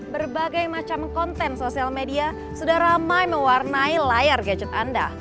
berbagai macam konten sosial media sudah ramai mewarnai layar gadget anda